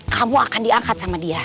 kamu akan diangkat sama dia